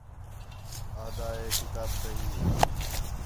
آہدا ہِے کتاب کہی ہِے